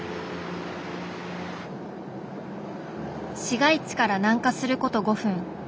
市街地から南下すること５分。